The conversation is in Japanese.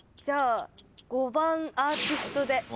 じゃあ５番アーティストで。